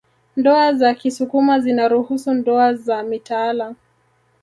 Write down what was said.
Ndoa za kisukuma zinaruhusu ndoa za mitaala